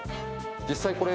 実際これ。